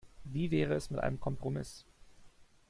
Wie wäre es mit einem Kompromiss?